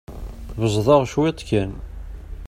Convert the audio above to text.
Beẓẓḍeɣ cwiṭ kan.